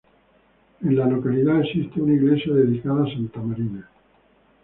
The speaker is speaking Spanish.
En la localidad existe una iglesia dedicada a Santa Marina.